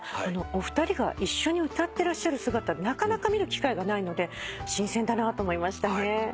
お二人が一緒に歌ってらっしゃる姿なかなか見る機会がないので新鮮だなと思いましたね。